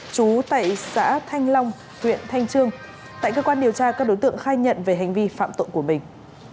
chú tại xã thanh long huyện thanh trương tại cơ quan điều tra các đối tượng khai nhận về hành vi phạm tội của mình